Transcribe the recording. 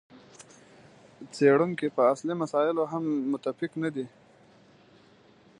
څېړونکي په اصلي مسایلو هم متفق نه دي.